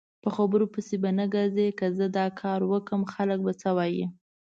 په خبرو پسې به نه ګرځی که زه داکاروکړم خلک به څه وایي؟